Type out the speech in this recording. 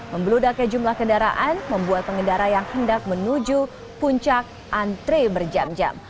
membeludak ke jumlah kendaraan membuat pengendara yang hendak menuju puncak antri berjam jam